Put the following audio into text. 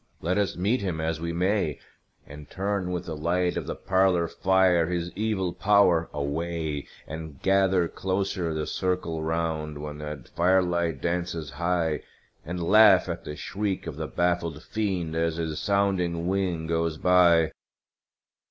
Let us meet him as we may, And turn with the light of the parlor fire his evil power away; And gather closer the circle round, when that fire light dances high, And laugh at the shriek of the baffled Fiend as his sounding wing goes by!